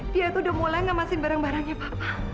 dia tuh udah mulai ngemasin barang barangnya pak